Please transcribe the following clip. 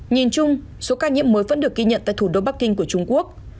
nhìn chung số ca nhiễm mới vẫn được ghi nhận tại thủ đô bắc kinh của trung quốc